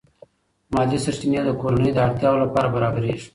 مالی سرچینې د کورنۍ د اړتیاوو لپاره برابرېږي.